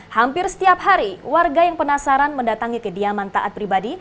hampir setiap hari warga yang penasaran mendatangi kediaman taat pribadi